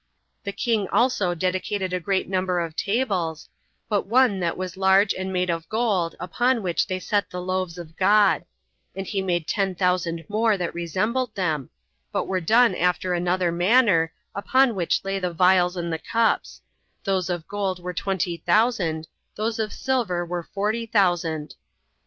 The king also dedicated a great number of tables, but one that was large and made of gold, upon which they set the loaves of God; and he made ten thousand more that resembled them, but were done after another manner, upon which lay the vials and the cups; those of gold were twenty thousand, those of silver were forty thousand.